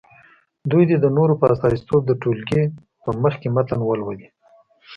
دوی دې د نورو په استازیتوب د ټولګي په مخکې متن ولولي.